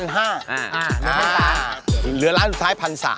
เหลือร้านสุดท้าย๑๓๐๐